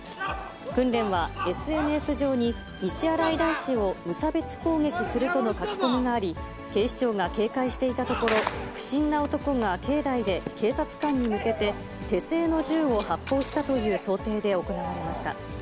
訓練は、ＳＮＳ上に西新井大師を無差別攻撃するとの書き込みがあり、警視庁が警戒していたところ、不審な男が境内で警察官に向けて手製の銃を発砲したという想定で行われました。